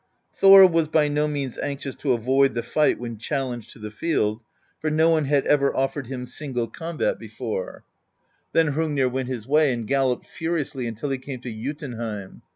Thor was by no means anxious to avoid the fight when challenged to the field, for no one had ever oflFered him single combat before. THE POESY OF SKALDS 117 "Then Hrungnir went his way, and galloped furiously until he came to Jotunheim.